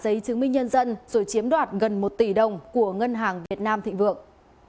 giấy chứng minh nhân dân rồi chiếm đoạt gần một tỷ đồng của ngân hàng việt nam thịnh vượng